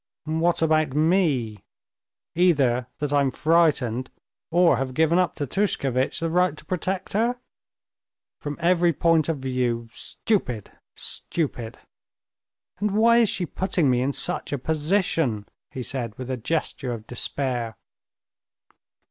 "What about me? Either that I'm frightened or have given up to Tushkevitch the right to protect her? From every point of view—stupid, stupid!... And why is she putting me in such a position?" he said with a gesture of despair.